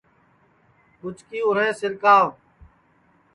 ٻُچکی اُرینٚھ سِرکاوَ